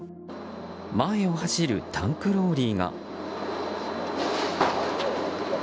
前を走るタンクローリーが。